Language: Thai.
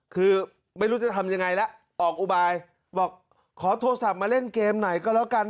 คือไม่รู้จะทำยังไงแล้วออกอุบายบอกขอโทรศัพท์มาเล่นเกมหน่อยก็แล้วกัน